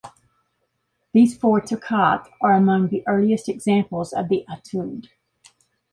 These four "toccate" are among the earliest examples of the etude.